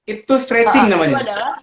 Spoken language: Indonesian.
itu stretching namanya